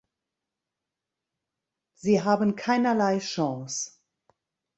Sie haben keinerlei Chance.